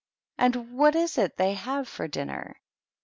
And what is it they have for dinner?"